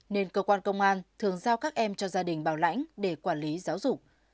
nên cơ quan công an thường giao các em cho gia đình bảo lãnh để quản lý giáo dục